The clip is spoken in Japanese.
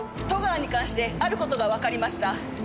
戸川に関してある事がわかりました。